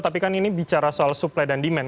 tapi kan ini bicara soal supply dan demand